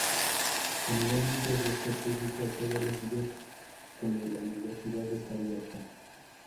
Generalmente abierto al público todos los días cuando la universidad está abierta.